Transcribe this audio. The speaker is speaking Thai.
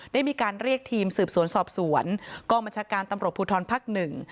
ได้มีการเรียกทีมสืบสวนสอบสวนกองบัญชาการตำรวจภูทรภักดิ์หนึ่ง